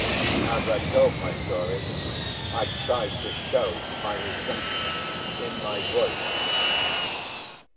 As I told my story I tried to show my resentment in my voice.